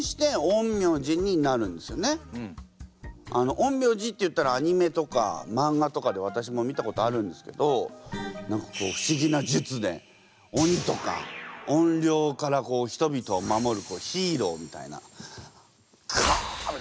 陰陽師っていったらアニメとかまんがとかで私も見たことあるんですけど何かこう不思議な術で鬼とか怨霊からいやだからえっ！？